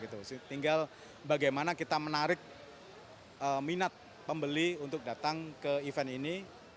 tinggal bagaimana kita menarik minat pembeli untuk datang ke event ini